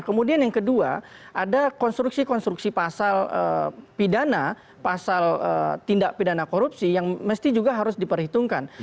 kemudian yang kedua ada konstruksi konstruksi pasal pidana pasal tindak pidana korupsi yang mesti juga harus diperhitungkan